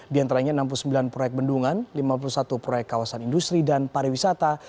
di antaranya enam puluh sembilan proyek bendungan lima puluh satu proyek kawasan industri dan pariwisata